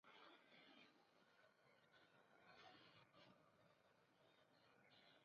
La mayoría de los judíos de Venezuela son de primera o segunda generación.